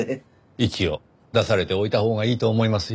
一応出されておいたほうがいいと思いますよ。